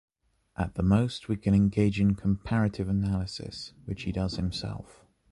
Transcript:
At the most we can engage in comparative analysis, which he does himself.